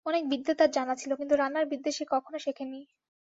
অনেক বিদ্যে তার জানা ছিল, কিন্তু রান্নার বিদ্যে সে কখনো শেখে নি।